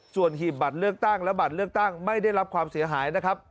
ส่วนหีบบัตรเลือกตั้งและบัตรเลือกตั้งไม่ได้รับความเสียหายนะครับ